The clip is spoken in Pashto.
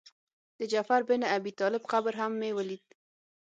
د جعفر بن ابي طالب قبر هم مې ولید.